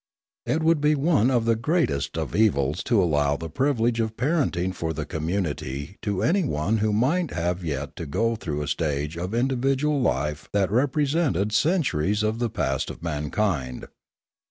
It would be one of the greatest of evils to allow the privilege of parenting for the community to any who might have yet to go through a stage of individual life that represented cent uries of the past of mankind.